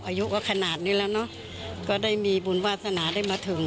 อายุก็ขนาดนี่แล้วได้มีปุ่นวาสนาได้มาถึง